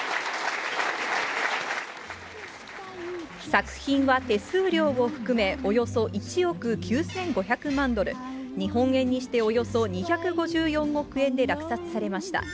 作品は手数料を含めおよそ１億９５００万ドル、日本円にしておよそ２５４億円で落札されました。